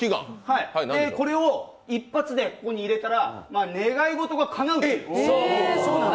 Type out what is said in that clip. これを一発でここに入れたら、願い事がかなう。